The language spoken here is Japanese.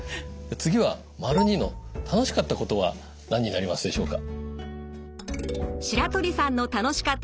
次は②の「楽しかったこと」は何になりますでしょうか？